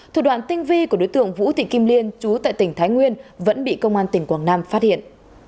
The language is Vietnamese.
thủ đoạn tinh vi của đối tượng vũ thị kim liên chú tại tỉnh thái nguyên vẫn bị công an tỉnh quảng nam phát hiện